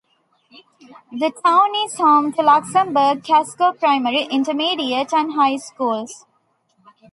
The town is home to the Luxemburg-Casco Primary, Intermediate, and High Schools.